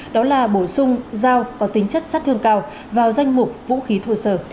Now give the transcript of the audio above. đó là bổ sung dao có tính chất sát thương cao vào danh mục vũ khí thô sơ